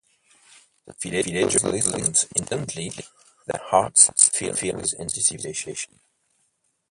The villagers listened intently, their hearts filled with anticipation.